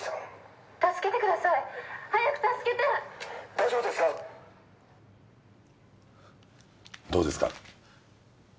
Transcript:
「大丈夫ですか！？」どうですか？